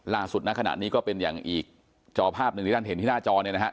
ณขณะนี้ก็เป็นอย่างอีกจอภาพหนึ่งที่ท่านเห็นที่หน้าจอเนี่ยนะฮะ